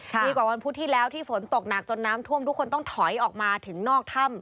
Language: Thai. ดีกว่าวันพุธที่แล้วที่ฝนตกหนักจนน้ำท่วมทุกคนต้องถอยออกมาถึงนอกถ้ำ